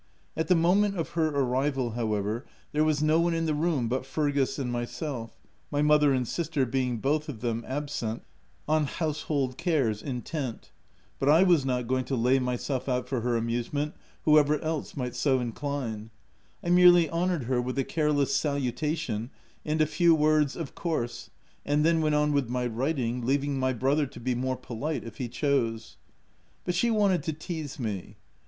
At the moment of her arrival, how r ever, there was no one in the room but Fergus and myself, my mother and sister being both of them absent, " on house 186 THE TENANT hold cares intent ;" but / was not going to lay myself out for her amusement, whoever else might so incline : I merely honoured her with a careless salutation and a few words of course, and then went on with my writing, leav ing my brother to be more polite if he chose. But she wanted to teaze me.